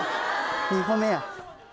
２歩目や。